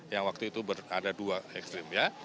yang waktu itu ada dua ekstrim ya